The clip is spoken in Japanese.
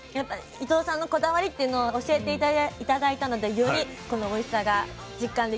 伊藤さんのこだわりっていうのを教えて頂いたのでよりこのおいしさが実感できました。